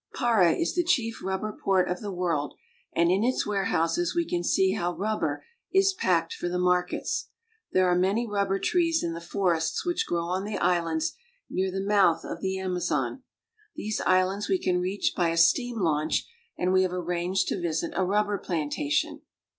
Para is the chief rubber port of the world, and in its warehouses we can see how rubber is packed for the markets. There are many rubber trees in the forests which grow on the islands near the mouth of the Amazon. These islands we RUBBER. 313 can reach by a steam launch, and we have arranged to visit a rubber plantation.